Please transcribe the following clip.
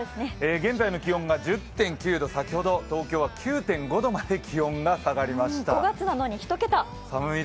現在の気温が１０．９度、先ほど東京は９．５度まで気温が下がりました。